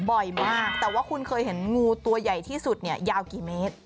บ่อยมากแต่ว่าคุณเคยเห็นงูตัวใหญ่ที่สุดเนี่ยยาวกี่เมตร